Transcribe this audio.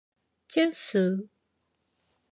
철수!